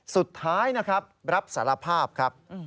สุดท้ายนะครับรับสารภาพครับ